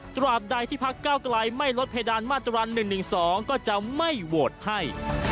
ตราบใดที่พักเก้าไกลไม่ลดเพดานมาตรา๑๑๒ก็จะไม่โหวตให้